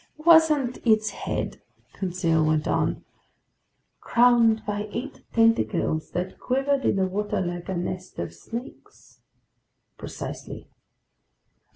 "Wasn't its head," Conseil went on, "crowned by eight tentacles that quivered in the water like a nest of snakes?" "Precisely."